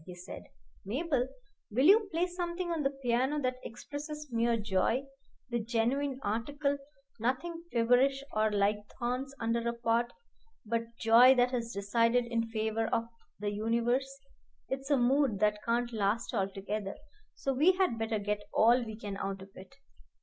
he said. "Mabel, will you play something on the piano that expresses mere joy, the genuine article, nothing feverish or like thorns under a pot, but joy that has decided in favor of the universe. It's a mood that can't last altogether, so we had better get all we can out of it."